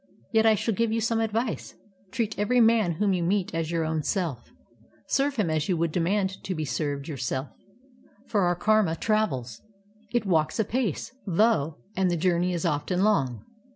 Yet I shall give you some adxice : Treat ever>' man whom you meet as your own self; serv^e him as you would demand to be served yourself; for our karma travels; it walks apace, though, and the journey is often long.